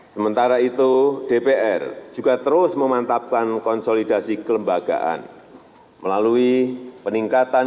sementara itu dpr juga terus memantapkan konsolidasi kelembagaan melalui peningkatan